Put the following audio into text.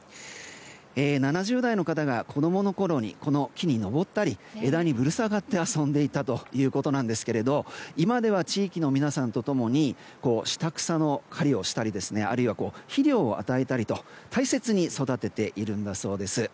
７０代の方が子供のころに、この木に登ったり枝にぶら下がって遊んでいたということなんですが今では地域の皆さんと共に下草の草刈りをしたりあるいは肥料を与えたりと大切に育てているんだそうです。